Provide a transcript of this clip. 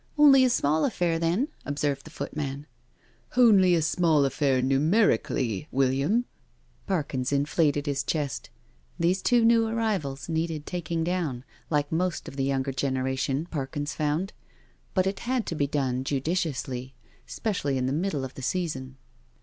" Only a small affair, then," observed the footman. " Honly a small affair numerically, William." Par kins inflated his chest; these two new arrivals needed taking down, like most of the younger generation Par kins found, but it had to be done judiciously, specially in the middle of the season.